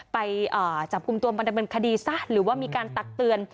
ไปจับกลุ่มตัวมาดำเนินคดีซะหรือว่ามีการตักเตือน